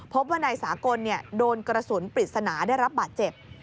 พบว่านายสากลโดนกระสุนปริศนาได้รับบาดเจ็บ